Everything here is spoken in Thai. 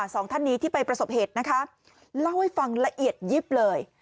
สองท่านนี้ที่ไปประสบเหตุนะคะเล่าให้ฟังละเอียดยิบเลย